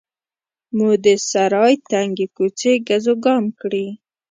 مو د سرای تنګې کوڅې ګزوګام کړې.